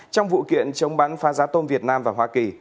trong vụ kiện chống bắn phá giá tôm việt nam và hoa kỳ